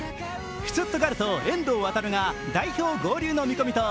シュツットガルト・遠藤航が代表合流の見込みと